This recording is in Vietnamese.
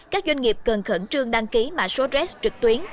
các doanh nghiệp cần khẩn trương đăng ký mã số rex trực tuyến